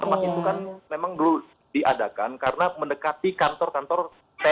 masih itu kan memang dulu diadakan karena mendekati kantor kantor tni gitu ya